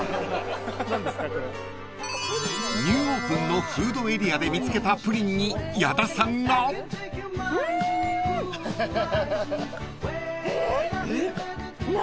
［ニューオープンのフードエリアで見つけたプリンに矢田さんが］うん！えっ！？